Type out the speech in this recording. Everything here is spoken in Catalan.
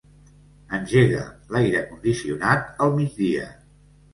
Engega l'aire condicionat al migdia.